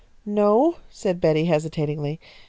"No," said Betty, hesitatingly.